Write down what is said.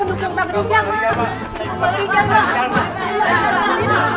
penukung bang rijal mak